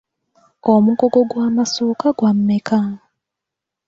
Omugogo gw'amasuuka gwa mmeka?